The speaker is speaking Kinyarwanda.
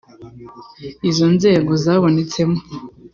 izo nzego zabonetsemo